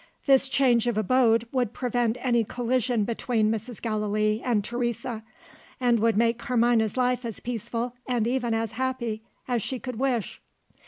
This change of abode would prevent any collision between Mrs. Gallilee and Teresa, and would make Carmina's life as peaceful, and even as happy, as she could wish.